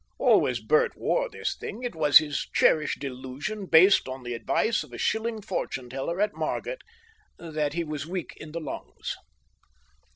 Always Bert wore this thing; it was his cherished delusion, based on the advice of a shilling fortune teller at Margate, that he was weak in the lungs.